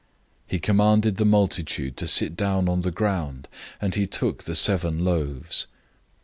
008:006 He commanded the multitude to sit down on the ground, and he took the seven loaves.